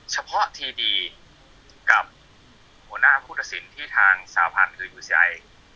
แล้วก็ลงแรงโดยที่เขามาตั้งบ้าน